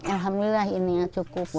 alhamdulillah ini cukup buat ibu